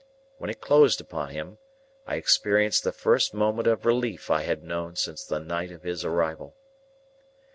When it closed upon him, I experienced the first moment of relief I had known since the night of his arrival.